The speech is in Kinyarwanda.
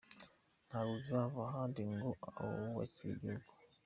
Ntawe uzava ahandi ngo atwubakire igihugu.